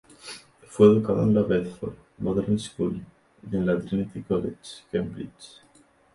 Fue educado en la Bedford Modern School, y en la Trinity College, Cambridge.